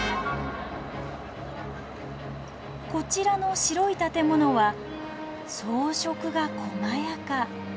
こちらの白い建物は装飾が細やか。